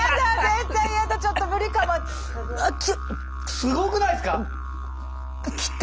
すごくないですか！？来た！